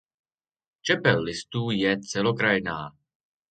Čepel listů je celokrajná.